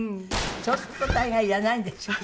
そうすると大概いらないんですよね